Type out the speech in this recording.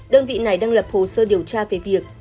đơn vị này đang lập hồ sơ điều tra về việc